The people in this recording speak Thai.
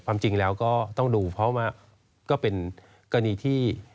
จริงแล้วก็ต้องดูเพราะว่าก็เป็นกรณีที่